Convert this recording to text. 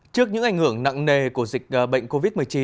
trước những ảnh hưởng nặng nề của dịch bệnh covid một mươi chín